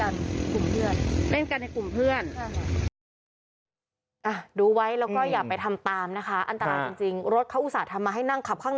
เล่นกันในกลุ่มเพื่อน